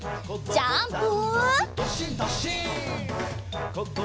ジャンプ！